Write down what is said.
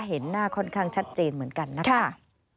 เห็นหน้าค่อนข้างชัดเจนเหมือนกันนะคะ